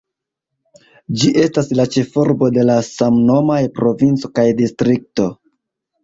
Ĝi estas la ĉefurbo de samnomaj provinco kaj distrikto.